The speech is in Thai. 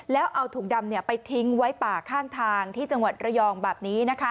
แล้วเอาถุงดำไปทิ้งไว้ป่าข้างทางที่จังหวัดระยองแบบนี้